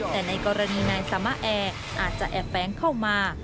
แต่ในกรณีนายสามารถแอร์อาจจะแอบแฟ้งเข้ามา